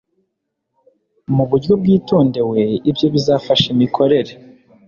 mu buryo bwitondewe Ibyo bizafasha imikorere